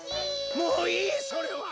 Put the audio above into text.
もういいそれは！